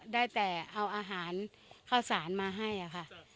ได้แต่เอาอาหารข้าวสารมาให้ค่ะ